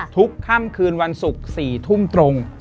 ทุกค่ำคืนวันศุกร์๔ทุ่มตรง